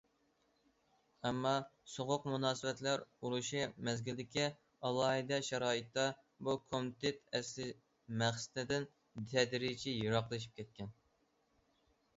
ئەمما سوغۇق مۇناسىۋەتلەر ئۇرۇشى مەزگىلىدىكى ئالاھىدە شارائىتتا، بۇ كومىتېت ئەسلى مەقسىتىدىن تەدرىجىي يىراقلىشىپ كەتتى.